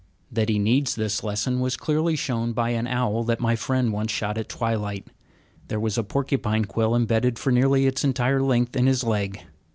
That he needs this lesson was clearly shown by an owl that my friend once shot at twilight. There was a porcupine quill imbedded for nearly its entire length in his leg.